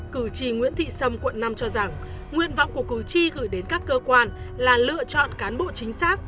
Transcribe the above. cử tri nguyễn thị sâm quận năm cho rằng nguyện vọng của cử tri gửi đến các cơ quan là lựa chọn cán bộ chính xác